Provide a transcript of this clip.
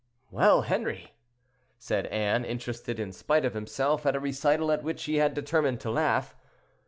"Well, Henri?" said Anne, interested, in spite of himself, at a recital at which he had determined to laugh.